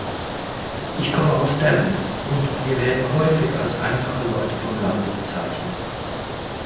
Ich komme aus Devon, und wir werden häufig als einfache Leute vom Lande bezeichnet.